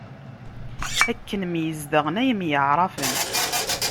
Akken myezdaɣen, ay myaɛṛafen.